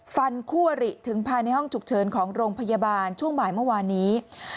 ฟันคู่อริถึงภายในห้องฉุกเฉินของโรงพยาบาลช่วงบ่ายเมื่อวานนี้